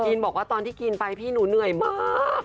บอกว่าตอนที่กินไปพี่หนูเหนื่อยมาก